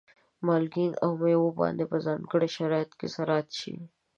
مالګین او مېوې باید په ځانګړو شرایطو کې زراعت شي.